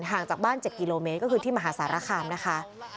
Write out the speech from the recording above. ห่างจากบ้าน๗กิโลเมตรก็คือที่มหาสารคามนะคะ